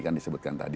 kan disebutkan tadi